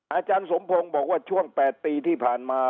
อาจารย์สมพงศ์บอกว่าช่วง๘ปีที่ผ่านมา